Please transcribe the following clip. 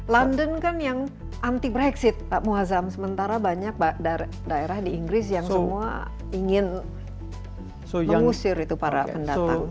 london kan yang anti brexit pak muazzam sementara banyak daerah di inggris yang semua ingin mengusir itu para pendatang